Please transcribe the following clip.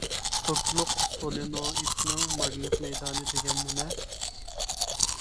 توكلۇق سولېنوئىدنىڭ ماگنىت مەيدانى دېگەن نېمە؟